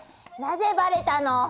なぜバレたの？